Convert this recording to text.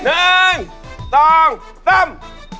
เอาแล้วนะ